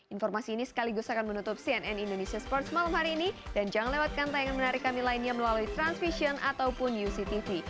informasi ini sekaligus akan menutup cnn indonesia sports malam hari ini dan jangan lewatkan tayangan menarik kami lainnya melalui transvision ataupun uctv